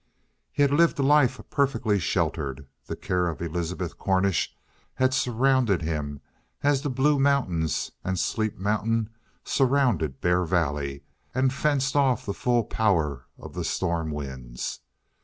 He had lived a life perfectly sheltered. The care of Elizabeth Cornish had surrounded him as the Blue Mountains and Sleep Mountain surrounded Bear Valley and fenced off the full power of the storm winds.